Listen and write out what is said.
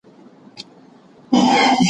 ډله ایز کار پایله لري.